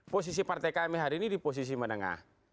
posisi partai kami hari ini di posisi menengah